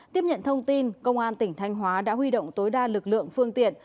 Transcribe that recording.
tiếp nhận thông tin công an tỉnh thanh hóa đã huy động tối đa lực lượng phương tiện